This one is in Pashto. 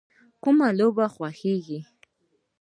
کومه لوبه خوښوئ؟